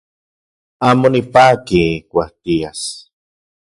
Amo nipaki ijkuak tias.